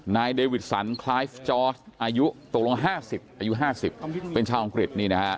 นายเดวิดสันคลายฟ์จอร์อายุตกลง๕๐เป็นชาวอังกฤษ